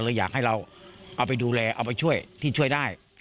อยากให้เราเอาไปดูแลเอาไปช่วยที่ช่วยได้